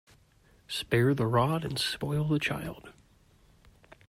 Spare the rod and spoil the child.